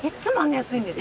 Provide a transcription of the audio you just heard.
安いです。